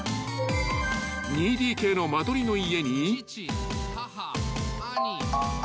［２ＤＫの間取りの家に］